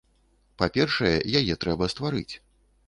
Па-першае, яе трэба стварыць.